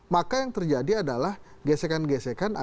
maka yang terjadi adalah gesekan gesekan